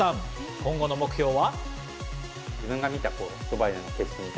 今後の目標は？